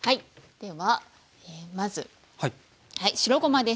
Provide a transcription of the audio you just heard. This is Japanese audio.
ではまず白ごまです。